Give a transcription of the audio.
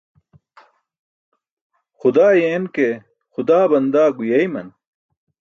Xudaa yeen ke xudaa bandaa guyeeyman.